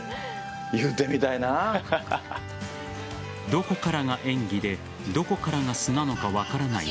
どこからが演技でどこからが素なのか分からない